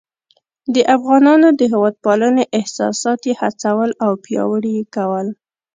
د افغانانو د هیواد پالنې احساسات یې هڅول او پیاوړي یې کول.